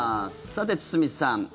さて、堤さん。